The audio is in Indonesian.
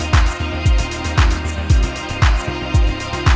rasa kurang ada bahkan